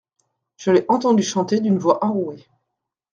Je l’ai entendu chanter d’une voix enrouée.